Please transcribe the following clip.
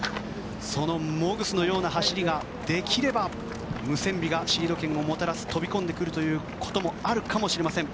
そのモグスのような走りができればムセンビがシード権をもたらす飛び込んでくることもあるかもしれません。